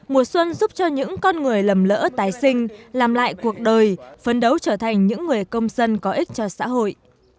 mùa xuân giúp cho những con người lầm lỡ tái sinh làm lại cuộc đời phấn đấu trở thành những người công dân có ích cho xã hội